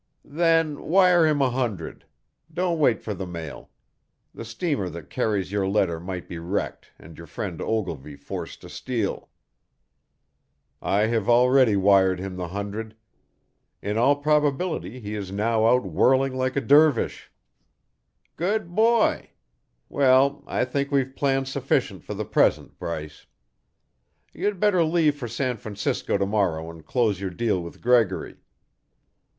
"Then wire him a hundred. Don't wait for the mail. The steamer that carries your letter might be wrecked and your friend Ogilvy forced to steal." "I have already wired him the hundred. In all probability he is now out whirling like a dervish." "Good boy! Well, I think we've planned sufficient for the present, Bryce. You'd better leave for San Francisco to morrow and close your deal with Gregory.